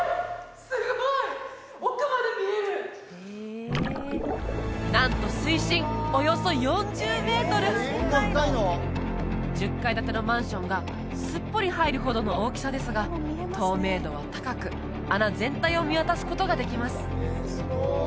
すごい奥まで見えるなんと水深およそ４０メートル１０階建てのマンションがすっぽり入るほどの大きさですが透明度は高く穴全体を見渡すことができます